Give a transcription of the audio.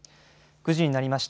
９時になりました。